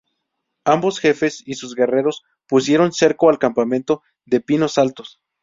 Ambos jefes y sus guerreros pusieron cerco al campamento de Pinos Altos.